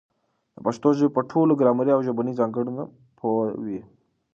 د پښتو ژبي په ټولو ګرامري او ژبنیو ځانګړنو پوه وي.